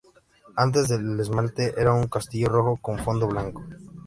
Antes el esmalte era un castillo rojo con fondo blanco.